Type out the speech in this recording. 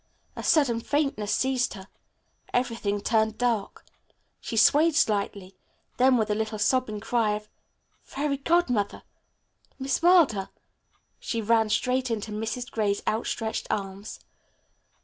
A sudden faintness seized her. Everything turned dark. She swayed slightly, then with a little sobbing cry of, "Fairy Godmother! Miss Wilder!" she ran straight into Mrs. Gray's outstretched arms.